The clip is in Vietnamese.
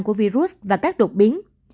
của virus và các đột biến